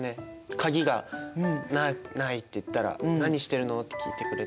「鍵がない」って言ったら「何してるの？」って聞いてくれて。